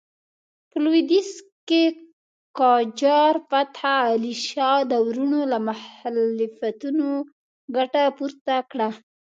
په لوېدیځ کې قاجار فتح علي شاه د وروڼو له مخالفتونو ګټه پورته کړه.